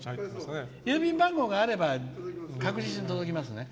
郵便番号があれば確実に届きますね。